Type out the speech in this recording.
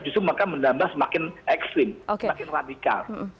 justru maka menambah semakin ekstrim semakin radikal